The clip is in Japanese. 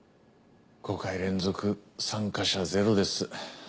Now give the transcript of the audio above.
５回連続参加者ゼロです。